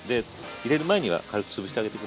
入れる前には軽くつぶしてあげて下さい。